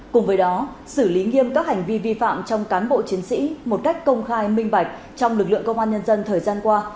cùng với đó xử lý nghiêm các hành vi vi phạm trong cán bộ chiến sĩ một cách công khai minh bạch trong lực lượng công an nhân dân thời gian qua